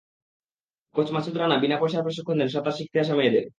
Coach Masud Rana বিনা পয়সায় প্রশিক্ষণ দেন সাঁতার শিখতে আসা মেয়েদের।